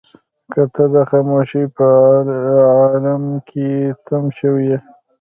که ته د خاموشۍ په عالم کې تم شوې يې.